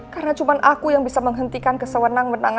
karena cuma aku yang bisa menghentikan kesewenang menangnya